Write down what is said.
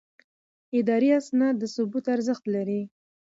اداري اسناد د ثبوت ارزښت لري.